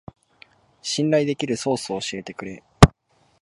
信頼できるソースを教えてくれ